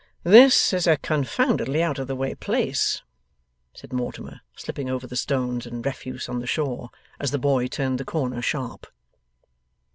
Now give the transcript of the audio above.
'This is a confoundedly out of the way place,' said Mortimer, slipping over the stones and refuse on the shore, as the boy turned the corner sharp.